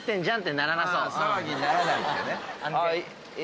騒ぎにならないっていうね。